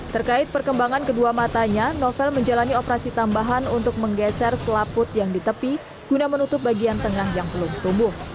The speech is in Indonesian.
terkait perkembangan kedua matanya novel menjalani operasi tambahan untuk menggeser selaput yang di tepi guna menutup bagian tengah yang belum tumbuh